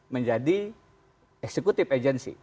menjadi eksekutif agensi